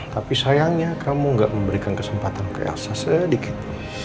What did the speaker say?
tapi sayangnya kamu gak memberikan kesempatan ke aksa sedikit